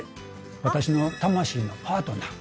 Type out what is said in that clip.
「私の魂のパートナー」